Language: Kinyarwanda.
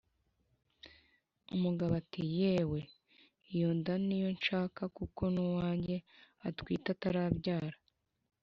umugabo ati: "Yewe! Iyo nda ni yo nshaka, kuko n' uwanjye atwite atarabyara,